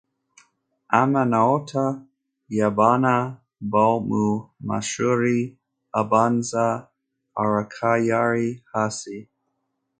Amanota y'abana bo mu mashuri abanza aracyari hasi